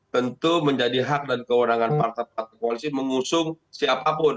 tentu menjadi hak dan kewenangan partai partai koalisi mengusung siapapun